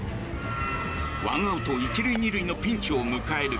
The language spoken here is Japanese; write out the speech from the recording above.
１アウト１・２塁のピンチを迎える。